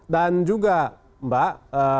dan juga mbak